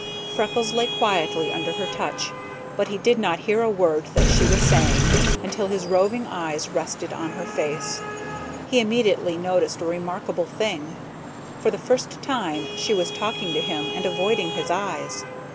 Freckles lay quietly under her touch, but he did not hear a word that she was saying until his roving eyes rested on her face; he immediately noticed a remarkable thing. For the first time she was talking to him and avoiding his eyes.